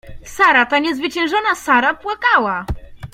Sara — ta niezwyciężona Sara — płakała!